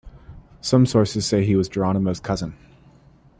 Some sources say he was Geronimo's cousin.